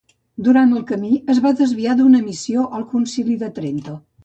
Durant el camí, es va desviar d'una missió al Concili de Trento.